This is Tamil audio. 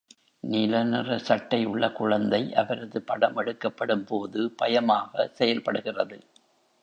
நீல நிற சட்டை உள்ள குழந்தை அவரது படம் எடுக்கப்படும் போது பயமாக செயல்படுகிறது.